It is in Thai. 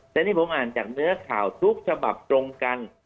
แต่นี่ผมอ่านจากเนื้อข่าวทุกฉบับตรงกัน